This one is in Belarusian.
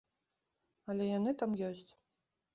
Але яны там ёсць.